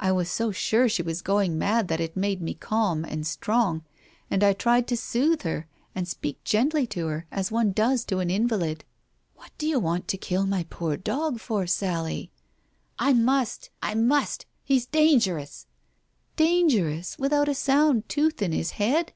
I was so sure she was going mad that it made me calm and strong, and I tried to soothe her and speak gently to her, as one does to an invalid. Digitized by Google ao4 TALES OF THE UNEASY "What do you want to kill my poor old dog for, Sally?" "I must. I must. He's dangerous." " Dangerous without a sound tooth in his head